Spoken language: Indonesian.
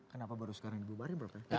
kenapa baru sekarang dibubarin berapa ya